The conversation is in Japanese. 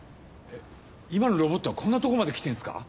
今のロボットはこんなとこまで来てんすか？